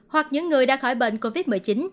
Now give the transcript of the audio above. hoặc những người đã khỏi bệnh covid một mươi chín